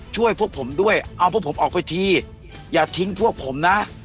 ช่วยพวกผมด้วยเอาพวกผมออกไปทีอย่าทิ้งพวกผมนะ